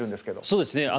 そうですね。